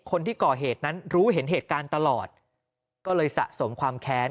คนที่ก่อเหตุนั้นรู้เห็นเหตุการณ์ตลอดก็เลยสะสมความแค้น